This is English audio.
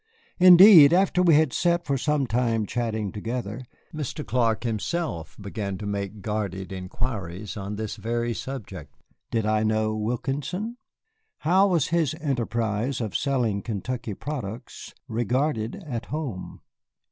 Indeed, after we had sat for some time chatting together, Mr. Clark began himself to make guarded inquiries on this very subject. Did I know Wilkinson? How was his enterprise of selling Kentucky products regarded at home?